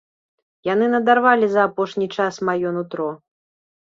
Яны надарвалі за апошні час маё нутро.